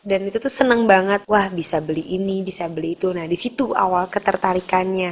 dan itu tuh senang banget wah bisa beli ini bisa beli itu nah disitu awal ketertarikannya